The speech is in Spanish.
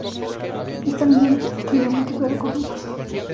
Esta línea ha tenido múltiples recorridos.